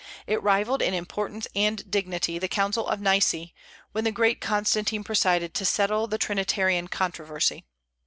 It rivalled in importance and dignity the Council of Nice, when the great Constantine presided, to settle the Trinitarian controversy.